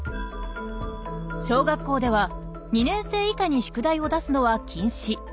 小学校では２年生以下に宿題を出すのは禁止。